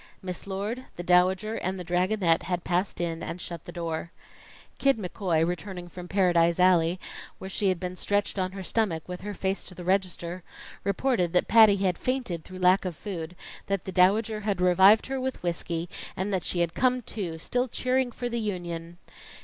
Miss Lord, the Dowager and the Dragonette had passed in and shut the door. Kid McCoy, returning from Paradise Alley, where she had been stretched on her stomach with her face to the register, reported that Patty had fainted through lack of food, that the Dowager had revived her with whiskey, and that she had come to, still cheering for the Union.